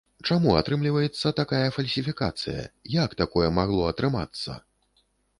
Чаму атрымліваецца такая фальсіфікацыя, як такое магло атрымацца?!